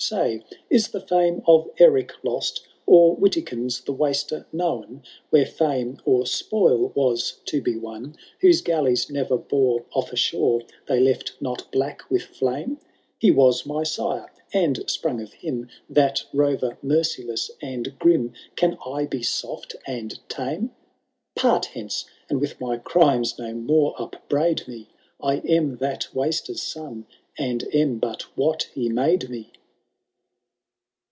Say, is the fiime of Erick lost. Or Witikind*s the Waster, known Where fiune or spoil was to be won *, Whose galleys ne*er bore off a shore They left not black with flame ?— He was my sire, and, sprung of him. That rorer merciless and grim. Can I be soft and tame ? Part hence, and with my crimes no more upbraid me, I am that Waster^k son, and am but what he made me.